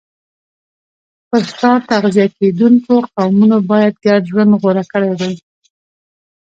پر ښکار تغذیه کېدونکو قومونو باید ګډ ژوند غوره کړی وای